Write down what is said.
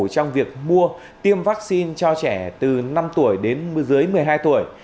trong việc mua tiêm vaccine cho trẻ từ năm tuổi đến dưới một mươi hai tuổi